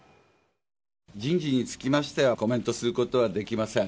人事につきましては、コメントすることはできません。